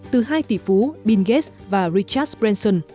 từ hai tỷ phú bill gates và richard branson